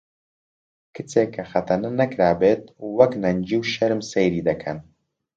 کچێک کە خەتەنە نەکرابێت وەک نەنگی و شەرم سەیری دەکەن